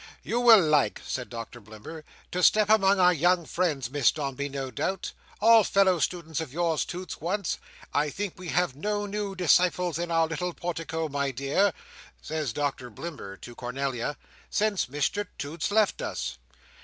"You will like," says Doctor Blimber, "to step among our young friends, Miss Dombey, no doubt. All fellow students of yours, Toots, once. I think we have no new disciples in our little portico, my dear," says Doctor Blimber to Cornelia, "since Mr Toots left us."